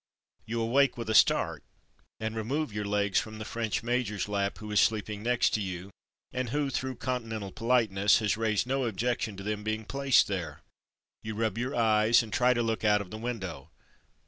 You awake with a start, and remove your legs from the French major's lap who is sleep ing next to you, and who, through continen tal politeness, has raised no objection to them being placed there. You rub your eyes and try to look out of the window.